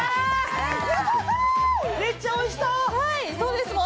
めっちゃ美味しそう。